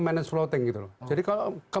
ya artinya sejujurnya